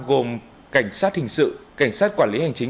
gồm cảnh sát hình sự cảnh sát quản lý hành chính